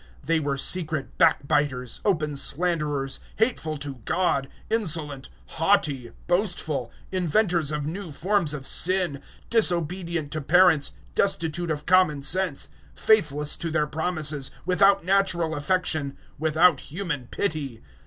001:030 They were secret backbiters, open slanderers; hateful to God, insolent, haughty, boastful; inventors of new forms of sin, disobedient to parents, destitute of common sense, 001:031 faithless to their promises, without natural affection, without human pity.